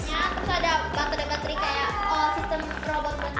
terus ada baterai baterai kayak oh sistem robot